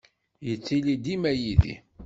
Yettili dima yid-i.